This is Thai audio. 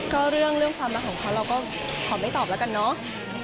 ก็เรื่องความรักของเขาเราก็ขอไม่ตอบแล้วกันเนาะ